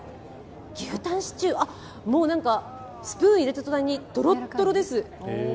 牛タンシチュー、もう、スプーンを入れた途端にとろっとろです。